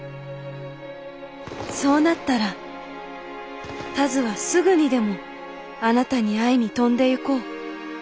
そうなったら田鶴はすぐにでもあなたに会いに飛んでゆこう。